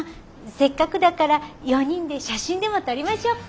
せっかくだから４人で写真でも撮りましょうか。